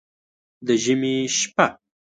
د ژمي شپه